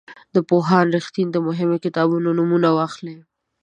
د پوهاند رښتین د مهمو کتابونو نومونه واخلئ.